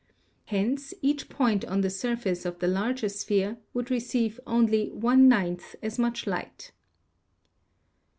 Hence each point on the surface of the larger sphere would receive only one ninth as much light.